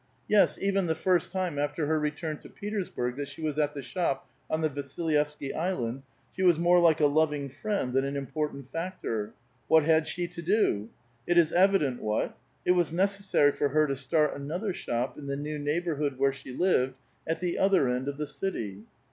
Yes, even the first time after her return to l'et4^i*sburg that she was at the shop on the Yasil yevsky Island, she was more like a loving friend than an im portant factor. What had she to do? It is evident what. It was necessary for her to start another shop in the new neighborhood where she lived, at the other end of the cit\'.